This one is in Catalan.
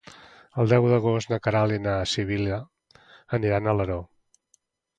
El deu d'agost na Queralt i na Sibil·la aniran a Alaró.